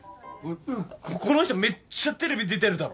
ここの人めっちゃテレビ出てるだろ。